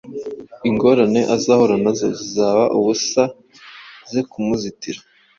ingorane azahura nazo zizaba ubusa ze kumuzitira.